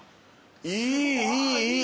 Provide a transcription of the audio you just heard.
いいいい、いい！